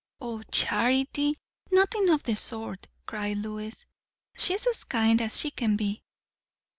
"O Charity! nothing of the sort," cried Lois. "She is as kind as she can be."